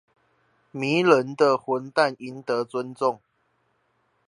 迷人的混蛋贏得尊重